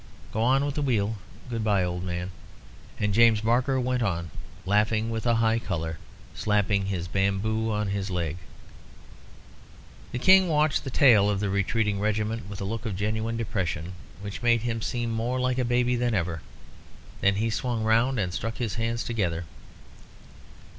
Go on with the wheel. Good bye, old man." And James Barker went on, laughing, with a high colour, slapping his bamboo on his leg. The King watched the tail of the retreating regiment with a look of genuine depression, which made him seem more like a baby than ever. Then he swung round and struck his hands together.